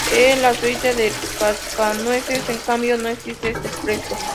El la suite del Cascanueces, en cambio, no existe este "presto".